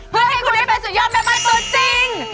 เพื่อให้คุณฤทธิเป็นสุดยอดแม่บ้านตัวจริง